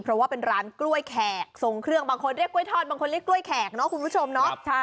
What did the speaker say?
เพราะว่าเป็นร้านกล้วยแขกทรงเครื่องบางคนเรียกกล้วยทอดบางคนเรียกกล้วยแขกเนาะคุณผู้ชมเนาะ